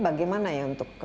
bagaimana ya untuk